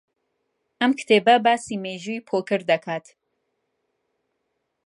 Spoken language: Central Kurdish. ئەم کتێبە باسی مێژووی پۆکەر دەکات.